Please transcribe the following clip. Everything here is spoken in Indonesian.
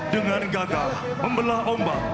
dengan gagah membelah ombak